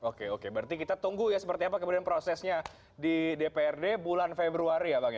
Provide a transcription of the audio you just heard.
oke oke berarti kita tunggu ya seperti apa kemudian prosesnya di dprd bulan februari ya bang ya